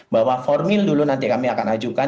bahwa formil dulu nanti kami akan ajukan